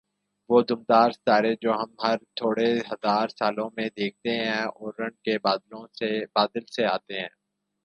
وہ دُمدار ستارے جو ہم ہر تھوڑے ہزار سالوں میں دیکھتے ہیں "اوٗرٹ کے بادل" سے آتے ہیں۔